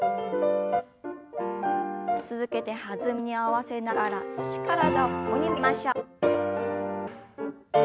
続けて弾みに合わせながら少し体を横に曲げましょう。